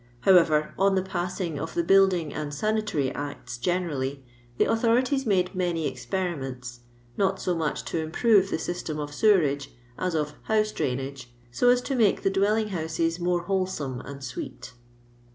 However, on the passing of tho Building and Sanitary Acts gene rally, the authorities made many experiments, not so much to improve the system of sewerage iis of house drainagi', so as to make the dwelling housi s inorf wholesome and sweet.